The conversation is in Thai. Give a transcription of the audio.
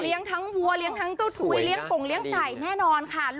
เลี้ยงทั้งหัวทั้งเจ้าถุยเลี้ยงปงเลี้ยงไก่แน่นอนค่ะ